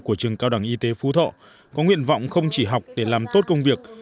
của trường cao đẳng y tế phú thọ có nguyện vọng không chỉ học để làm tốt công việc